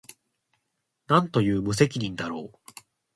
何という無責任だろう